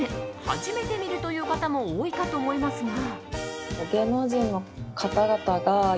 初めて見るという方も多いかと思いますが。